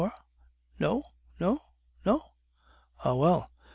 no? no? Ah, well!